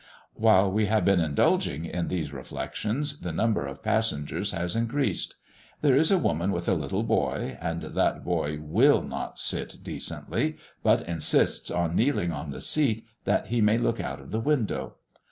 While we have been indulging in these reflections, the number of passengers has increased. There is a woman with a little boy, and that boy will not sit decently, but insists on kneeling on the seat, that he may look out of the window.